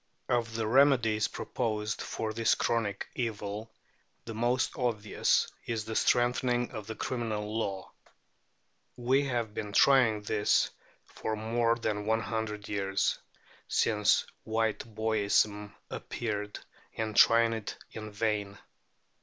Of the remedies proposed for this chronic evil the most obvious is the strengthening of the criminal law. We have been trying this for more than one hundred years, since Whiteboyism appeared, and trying it in vain.